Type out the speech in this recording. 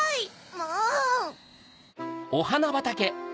もう！